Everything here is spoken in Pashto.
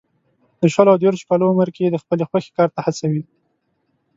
د شلو او دېرشو کالو عمر کې یې د خپلې خوښې کار ته هڅوي.